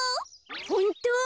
ホント？